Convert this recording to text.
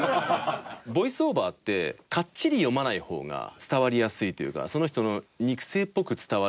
ボイスオーバーってかっちり読まない方が伝わりやすいというかその人の肉声っぽく伝わる感じは。